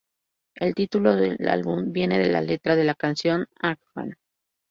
El título del álbum viene de la letra de la canción "Hangman".